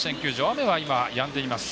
雨は、やんでいます。